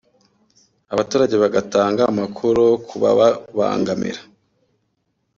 abaturage bagatanga amakuru kubababangamira